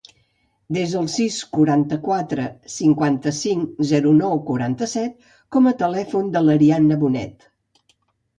Desa el sis, quaranta-quatre, cinquanta-cinc, zero, nou, quaranta-set com a telèfon de l'Ariana Bonet.